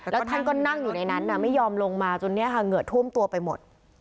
แล้วท่านก็นั่งอยู่ในนั้นไม่ยอมลงมาจนเนี่ยค่ะเหงื่อท่วมตัวไปหมด